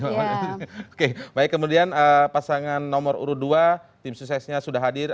oke baik kemudian pasangan nomor urut dua tim suksesnya sudah hadir